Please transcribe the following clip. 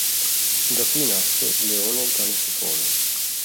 Da qui nasce "Leone il cane fifone".